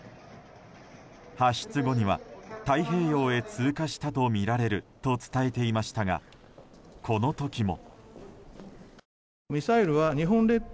発出後には太平洋へ通過したとみられると伝えていましたが、この時も。